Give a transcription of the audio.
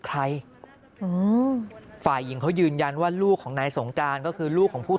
ใครฝ่ายหญิงเขายืนยันว่าลูกของนายสงการก็คือลูกของผู้